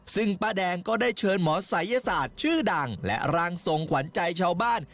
ซึ่งป้าแดงก็ได้เชิญหมอศัยศาสตร์ชื่อดังและร่างทรงขวัญใจชาวบ้าน